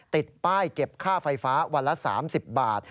ติดป้ายเก็บค่าไฟฟ้าวันละ๓๐บาท